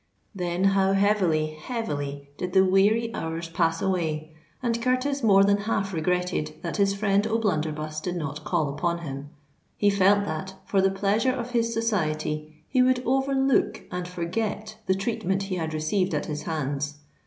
Then how heavily, heavily did the weary hours pass away; and Curtis more than half regretted that his friend O'Blunderbuss did not call upon him. He felt that, for the pleasure of his society, he would overlook and forget the treatment he had received at his hands.